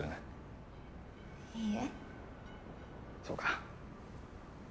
そうか。